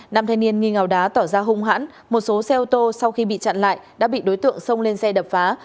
nam thanh niên nghi ngào đá tỏ ra hung hãn một số xe ô tô sau khi bị chặn lại đã bị đối tượng xông lên xe đập phá